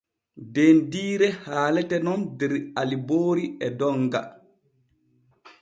Dendiire haalete nun der Aliboori e Donga.